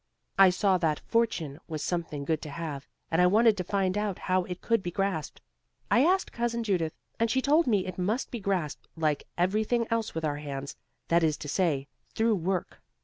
I saw that 'fortune' was something good to have, and I wanted to find out how it could be grasped. I asked Cousin Judith, and she told me it must be grasped like everything else with our hands, that is to say, through work.